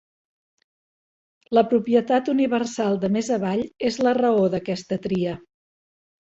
La propietat universal de més avall és la raó d'aquesta tria.